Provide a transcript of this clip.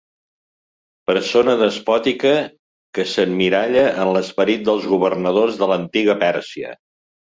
Persona despòtica que s'emmiralla en l'esperit dels governadors de l'antiga Pèrsia.